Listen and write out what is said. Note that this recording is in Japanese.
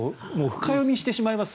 深読みしてしまいます